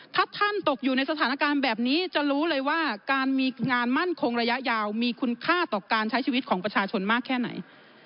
ถ้าท่านตกอยู่ในสถานการณ์แบบนี้จะรู้เลยว่าการมีงานมั่นคงระยะยาวมีคุณค่าต่อการใช้ชีวิตของประชาชนมากแค่ไหน